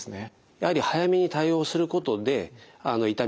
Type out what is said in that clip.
やはり早めに対応することで痛みが改善してですね